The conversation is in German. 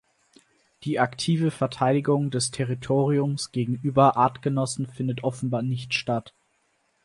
Die aktive Verteidigung des Territoriums gegenüber Artgenossen findet offenbar nicht statt.